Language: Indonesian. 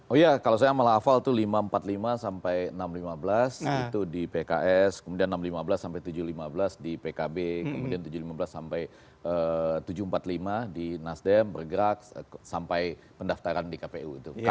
oh iya kalau saya malah hafal itu lima ratus empat puluh lima sampai enam ratus lima belas itu di pks kemudian enam ratus lima belas sampai tujuh ratus lima belas di pkb kemudian tujuh ratus lima belas sampai tujuh ratus empat puluh lima di nasdem bergerak sampai pendaftaran di kpu itu